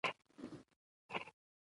ښکاري د نورو څارویو غږونه ښه اوري.